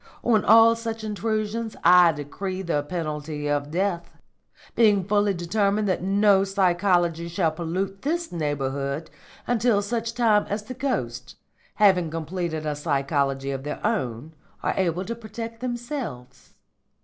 On all such intrusions I decree the penalty of death, being fully determined that no psychology shall pollute this neighbourhood until such time as the ghosts, having completed a psychology of their own, are able to protect themselves.